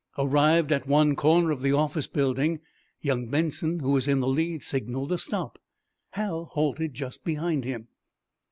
Arrived at one corner of the office building, young Benson, who was in the lead, signaled a stop. Hal halted just behind him.